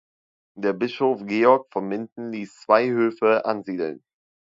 Der Bischof Georg von Minden ließ zwei Höfe ansiedeln.